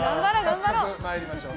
早速参りましょう。